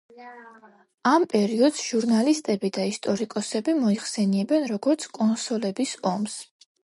ამ პერიოდს ჟურნალისტები და ისტორიკოსები მოიხსენიებენ, როგორც „კონსოლების ომს“.